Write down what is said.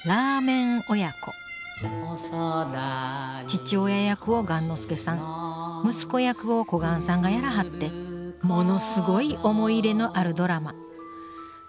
父親役を雁之助さん息子役を小雁さんがやらはってものすごい思い入れのあるドラマ。